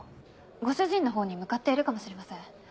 ご主人のほうに向かっているかもしれません。